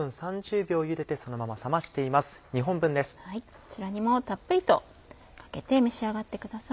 こちらにもたっぷりとかけて召し上がってください。